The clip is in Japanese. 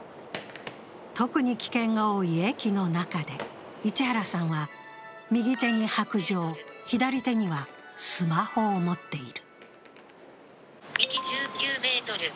特に危険が多い駅の中で、市原さんは右手に白じょう、左手にはスマホを持っている。